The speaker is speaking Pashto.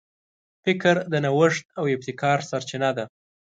فکر د نوښت او ابتکار سرچینه ده.